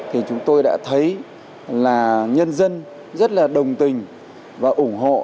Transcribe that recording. thì chúng tôi đã thấy là nhân dân rất là đồng tình và ủng hộ